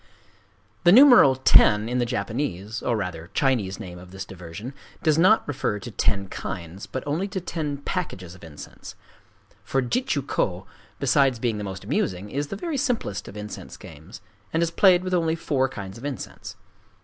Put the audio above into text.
The numeral "ten," in the Japanese, or rather Chinese name of this diversion, does not refer to ten kinds, but only to ten packages of incense; for Jitchū kō, besides being the most amusing, is the very simplest of incense games, and is played with only four kinds of incense.